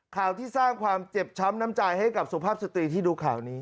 ข่าวที่สร้างความเจ็บช้ำน้ำใจให้กับสุภาพสตรีที่ดูข่าวนี้